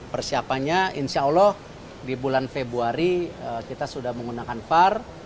persiapannya insya allah di bulan februari kita sudah menggunakan var